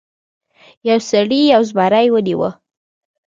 یو سړي یو زمری ونیو.